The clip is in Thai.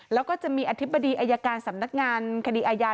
แล้วก็จะมีอธิบดีอายการสำนักงานคดีอาญา